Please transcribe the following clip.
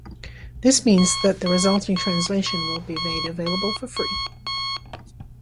This means that the resulting translation will be made available for free.